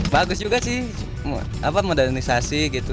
bagus juga sih modernisasi gitu